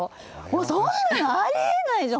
もうそんなのありえないです